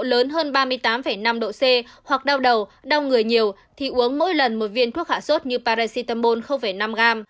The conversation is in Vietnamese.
lớn hơn ba mươi tám năm độ c hoặc đau đầu đau người nhiều thì uống mỗi lần một viên thuốc hạ sốt như paracetamol năm gram